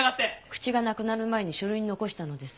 口がなくなる前に書類に残したのです。